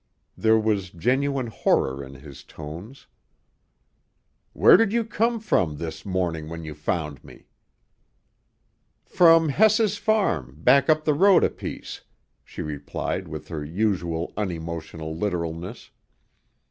There was genuine horror in his tones. "Where did you come from this morning when you found me?" "From Hess's farm, back up the road a piece," she replied with her usual unemotional literalness.